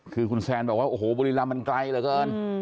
คือคุณแซนบอกว่าโอ้โหบุรีรำมันไกลเหลือเกิน